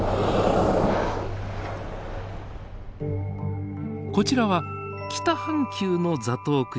こちらは北半球のザトウクジラの狩り。